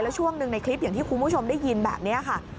ช่วงหนึ่งในคลิปอย่างที่คุณผู้ชมได้ยินแบบนี้ค่ะ